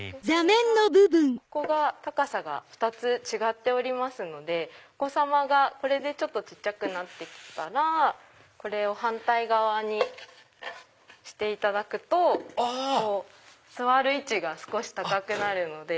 ここが高さが２つ違っておりますのでお子様がこれで小っちゃくなって来たらこれを反対側にしていただくと座る位置が少し高くなるので。